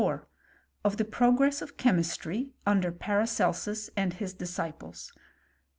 or THE PROGRESS OF CHEMISTRY UNDER PARACBM HIS DISCIPLES.